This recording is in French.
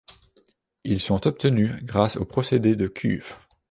Ils sont obtenues grâce au procédé de cuve.